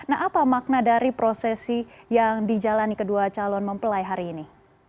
nah apa makna dari prosesi yang dijalani kedua calon mempelai hari ini